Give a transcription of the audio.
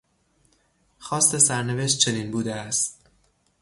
خواست سرنوشت چنین بوده است.